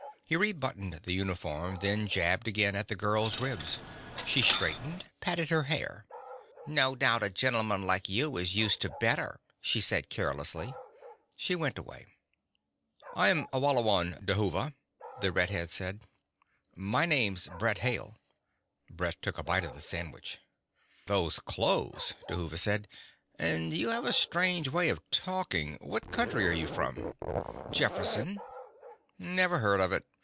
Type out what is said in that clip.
He rebuttoned the uniform, then jabbed again at the girl's ribs. She straightened, patted her hair. "No doubt a gentleman like you is used to better," she said carelessly. She went away. "I'm Awalawon Dhuva," the red head said. "My name's Brett Hale." Brett took a bite of the sandwich. "Those clothes," Dhuva said. "And you have a strange way of talking. What county are you from?" "Jefferson." "Never heard of it.